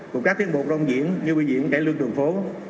cùng các tiến bộ đông diễn như biểu diễn cải lương trường phố